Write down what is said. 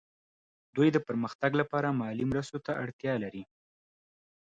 دوی د پرمختګ لپاره مالي مرستو ته اړتیا لري